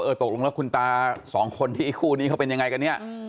ตกลงแล้วคุณตาสองคนที่คู่นี้เขาเป็นยังไงกันเนี่ย